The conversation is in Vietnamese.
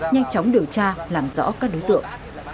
nhanh chóng điều tra làm rõ các đối tượng